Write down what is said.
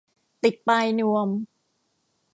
ติดปลายนวม